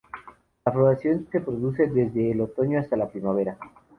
La floración se produce desde el otoño hasta la primavera.